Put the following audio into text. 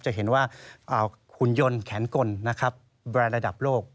จะเห็นว่าหุ่นยนต์แขนกลนะครับแบรนด์ระดับโลก